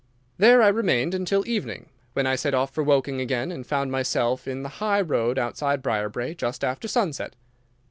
There I remained until evening, when I set off for Woking again, and found myself in the high road outside Briarbrae just after sunset.